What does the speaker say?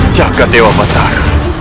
jaga dewa batar